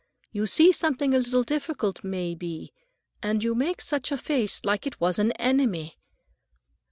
"You see something a little difficult, may be, and you make such a face like it was an enemy."